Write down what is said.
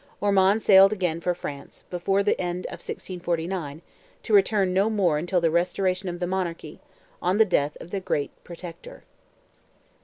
Ormond sailed again for France, before the end of 1649, to return no more until the restoration of the monarchy, on the death of the great Protector.